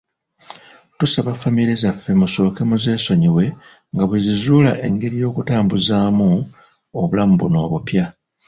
Tusaba famire zaffe musooke muzeesonyiwe nga bwe zizuula engeri y'okutambuzaamu obulamu buno obupya.